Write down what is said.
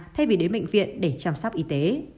thay vì đến bệnh viện để chăm sóc y tế